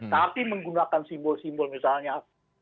tapi menggunakan simbol simbol misalnya